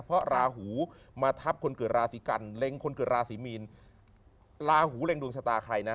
เพราะราหูมาทับคนเกิดราศีกันเล็งคนเกิดราศีมีนราหูเร็งดวงชะตาใครนะ